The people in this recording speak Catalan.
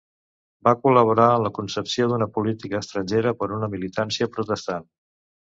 Van col·laborar en la concepció d'una política estrangera per una militància protestant.